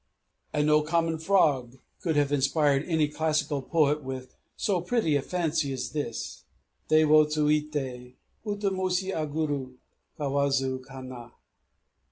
And no common frog could have inspired any classical poet with so pretty a fancy as this: Té wo tsuité, Uta moshi aguru, Kawazu kana!